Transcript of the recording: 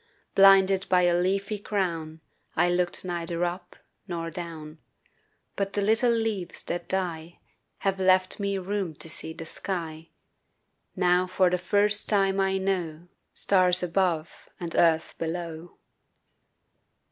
Blinded by a leafy crown I looked neither up nor down But the little leaves that die Have left me room to see the sky; Now for the first time I know Stars above and earth below.